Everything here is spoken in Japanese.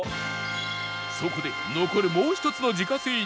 そこで残るもう一つの自家製握り